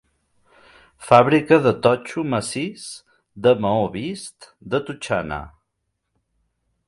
Fàbrica de totxo massís, de maó vist, de totxana.